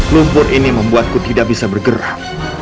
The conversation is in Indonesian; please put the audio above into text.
lumpur ini membuatku tidak bisa bergerak